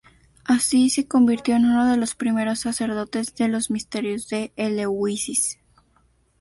Así, se convirtió en uno de los primeros sacerdotes de los Misterios de Eleusis.